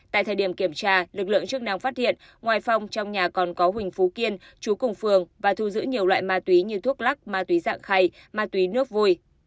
tại thời điểm kiểm tra lực lượng chức năng phát hiện ngoài phòng trong nhà còn có huỳnh phú kiên chú cùng phường và thu giữ nhiều loại ma túy như thuốc lắc ma túy dạng khay ma túy nước vui